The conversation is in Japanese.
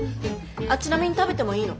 あっちなみに食べてもいいの？